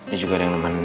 ini juga ada yang nemenin